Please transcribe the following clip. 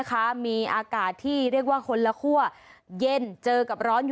ฮัลโหลฮัลโหลฮัลโหลฮัลโหลฮัลโหล